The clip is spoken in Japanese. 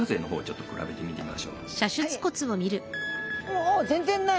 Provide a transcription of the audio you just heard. お全然ない！